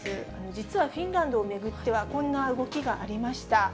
実は、フィンランドを巡っては、こんな動きがありました。